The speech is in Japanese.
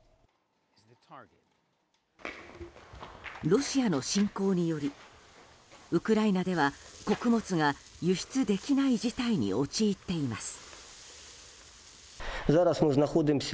ロシアの侵攻によりウクライナでは穀物が輸出できない事態に陥っています。